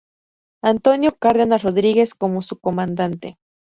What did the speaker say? Antonio Cárdenas Rodríguez como su comandante.